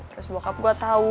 terus bokap gue tau